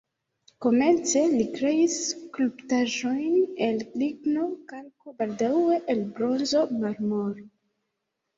Komence li kreis skulptaĵojn el ligno, kalko, baldaŭe el bronzo, marmoro.